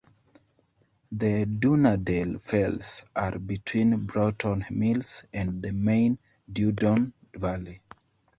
The "Dunnerdale Fells" are between Broughton Mills and the main Duddon Valley.